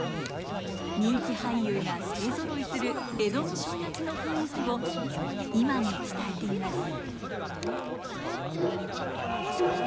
人気俳優が勢ぞろいする江戸の正月の雰囲気を今に伝えています。